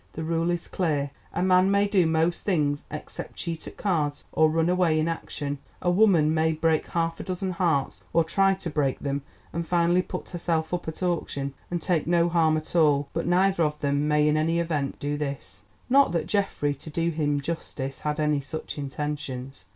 The rule is clear. A man may do most things except cheat at cards or run away in action; a woman may break half a dozen hearts, or try to break them, and finally put herself up at auction and take no harm at all—but neither of them may in any event do this. Not that Geoffrey, to do him justice, had any such intentions.